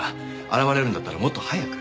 現れるんだったらもっと早く。